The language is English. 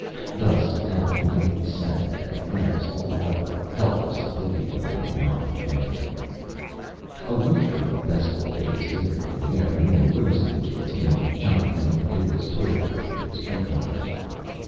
Thus Alf Neely sank at last to the level of helpless oblivion and nonentity. A week of Vestal days later, in the afternoon, Rose and the kids came to John Endlich, who was toiling over his cucumbers.